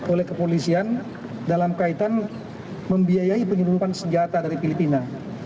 oleh kepolisian dalam kaitan membiayai penyelundupan senjata dari filipina